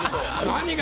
何が！